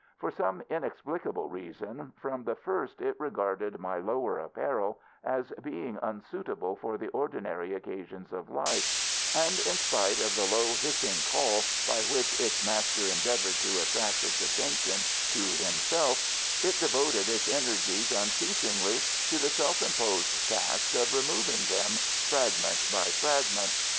For some inexplicable reason from the first it regarded my lower apparel as being unsuitable for the ordinary occasions of life, and in spite of the low hissing call by which its master endeavoured to attract its attention to himself, it devoted its energies unceasingly to the self imposed task of removing them fragment by fragment.